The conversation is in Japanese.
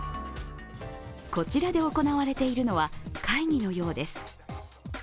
こちらで行われているのは会議のようです。